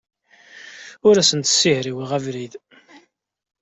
Ur asent-ssihriweɣ abrid.